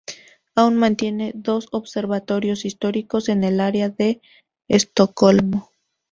Aún mantiene dos observatorios históricos en el área de Estocolmo.